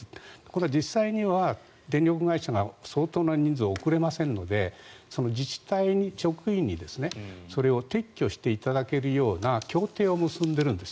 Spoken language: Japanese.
実際には電力会社が相当な人数を送れませんので自治体職員にそれを撤去していただけるような協定を結んでいるんです。